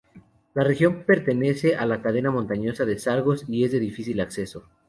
La región pertenece a la cadena montañosa de Zagros y es de difícil acceso.